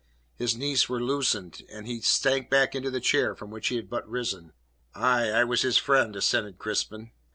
His knees were loosened, and he sank back into the chair from which he had but risen. "Aye, I was his friend!" assented Crispin.